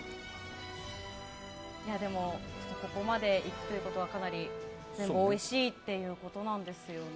ここまでいくということは全部おいしいということなんですよね。